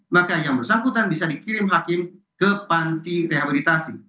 maka yang bersangkutan bisa dikirim hakim ke panti rehabilitasi